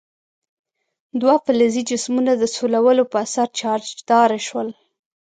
دوه فلزي جسمونه د سولولو په اثر چارجداره شول.